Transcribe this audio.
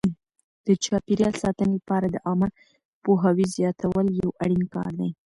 د چاپیریال ساتنې لپاره د عامه پوهاوي زیاتول یو اړین کار دی.